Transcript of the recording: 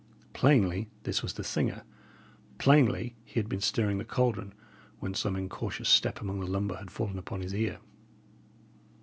Plainly this was the singer; plainly he had been stirring the caldron, when some incautious step among the lumber had fallen upon his ear.